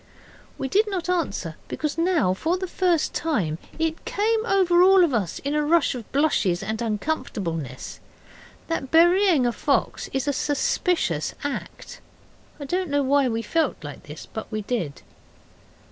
We did not answer, because now, for the first time, it came over all of us, in a rush of blushes and uncomfortableness, that burying a fox is a suspicious act. I don't know why we felt this, but we did.